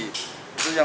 itu yang mendukung